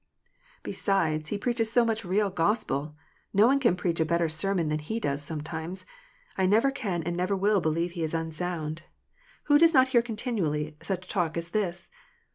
Besides, he preaches so much real Gospel : no one can preach a better sermon than he does sometimes ! I never can and never will believe he is unsound." Who does not hear continually such talk as this